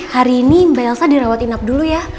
hari ini mba elsa dirawatin ab dulu ya